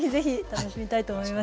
楽しみたいと思います。